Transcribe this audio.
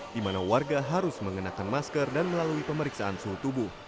di mana warga harus mengenakan masker dan melalui pemeriksaan suhu tubuh